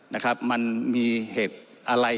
นะครับมันมีเหตุอะไร